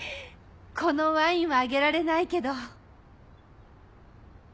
このワインはあげられないけど。